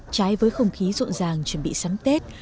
trái với không khí rộn ràng chuẩn bị sắm tết